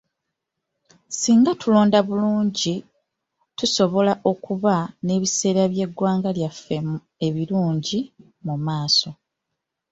Singa tulonda bulungi tusobola okuba n'ebiseera by'egwanga lyaffe ebirungi mu maaso.